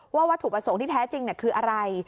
วัตถุประสงค์ที่แท้จริงคืออะไร